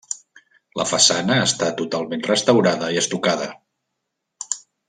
La façana està totalment restaurada i estucada.